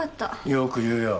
よく言うよ。